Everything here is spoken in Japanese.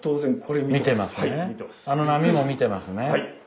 あの波も見てますね。